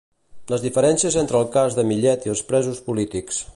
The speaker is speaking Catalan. Les diferències entre el cas de Millet i els presos polítics.